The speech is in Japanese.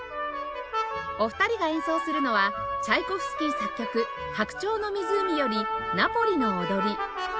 お二人が演奏するのはチャイコフスキー作曲『白鳥の湖』より「ナポリの踊り」